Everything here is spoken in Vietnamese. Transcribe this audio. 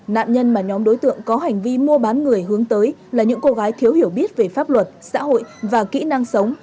nạn nhân mà nhóm đối tượng có hành vi mua bán người hướng tới là những cô gái thiếu hiểu biết về pháp luật xã hội và kỹ năng sống